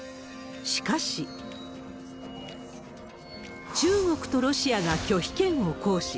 しかし、中国とロシアが拒否権を行使。